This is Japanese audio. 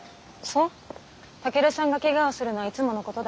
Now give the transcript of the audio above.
健さんがケガをするのはいつものことだよ。